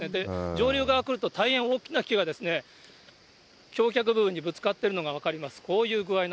上流側来ると、大変大きな木が橋脚部分にぶつかってるのが分かります。